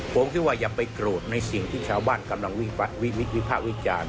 ผมคิดว่าอย่าไปโกรธในสิ่งที่ชาวบ้านกำลังวิภาควิจารณ์